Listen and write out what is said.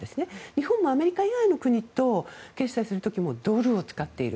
日本もアメリカ以外の国と決済する時もドルを使っている。